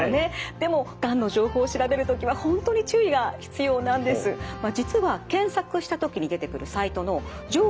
でもがんの情報を調べる時は本当に注意が必要なんです。